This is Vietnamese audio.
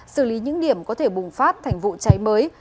xử lý những điểm có thể bùng phát thành vụ cháy mới